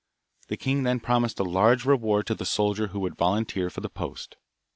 The king then promised a large reward to the soldier who would volunteer for the post.